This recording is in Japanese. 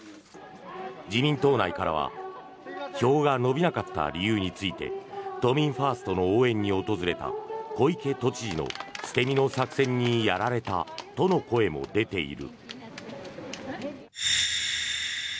自民党内からは票が伸びなかった理由について都民ファーストの応援に訪れた小池都知事の捨て身の作戦にやられたとの声も出ている。